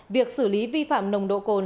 việc xử lý vi phạm nồng độ cồn